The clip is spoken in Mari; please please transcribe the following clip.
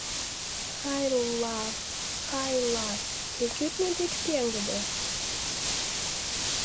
Хай-ла-а, хай-ла-а, кӧ кӱртньӧ деч пеҥгыде?